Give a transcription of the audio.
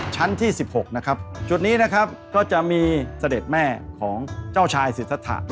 ชั้นที่๑๖นะครับจุดนี้นะครับก็จะมีเสด็จแม่ของเจ้าชายสิทธะ